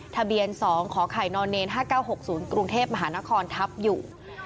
ทะเบียน๒ขอไข่น๕๙๖๐กรุงเทพมหานครทับอยู่